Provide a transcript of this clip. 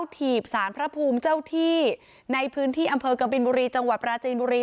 ถีบสารพระภูมิเจ้าที่ในพื้นที่อำเภอกบินบุรีจังหวัดปราจีนบุรี